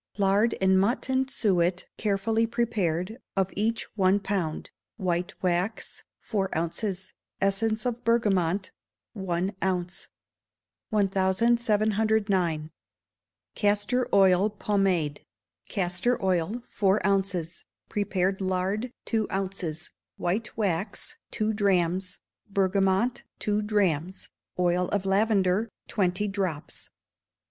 Lard and mutton suet carefully prepared, of each one pound; white wax, four ounces; essence of bergamot, one ounce. 1709. Castor Oil Pomade. Castor oil, four ounces; prepared lard, two ounces; white wax, two drachms; bergamot, two drachms; oil of lavender, twenty drops.